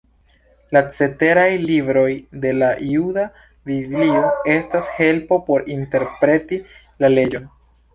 La ceteraj libroj de la juda biblio estas helpo por interpreti la leĝon.